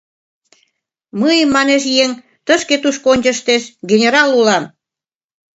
— Мый, — манеш еҥ, тышке-тушко ончыштеш, — генерал улам!